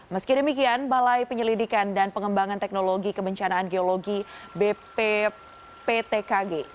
meski demikian balai penyelidikan dan pengembangan teknologi kebencanaan geologi bpptkg